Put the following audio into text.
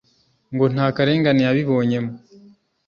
ngo nta karengane yabibonyemo